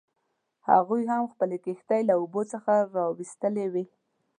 هغوی هم خپلې کښتۍ له اوبو څخه راویستلې وې.